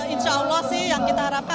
insya allah sih yang kita harapkan